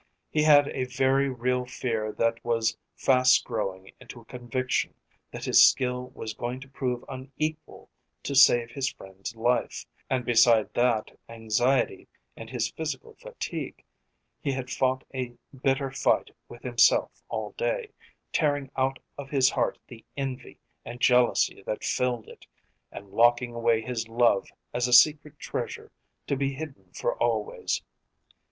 He had a very real fear that was fast growing into a conviction that his skill was going to prove unequal to save his friend's life, and beside that anxiety and his physical fatigue he had fought a bitter fight with himself all day, tearing out of his heart the envy and jealousy that filled it, and locking away his love as a secret treasure to be hidden for always.